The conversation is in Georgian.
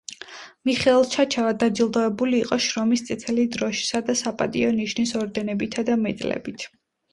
მიხეილ ჩაჩავა დაჯილდოვებული იყო შრომის წითელი დროშისა და „საპატიო ნიშნის“ ორდენებითა და მედლებით.